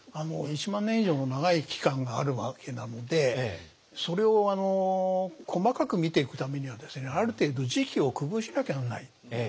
１万年以上も長い期間があるわけなのでそれを細かく見ていくためにはですねある程度時期を区分しなきゃならない。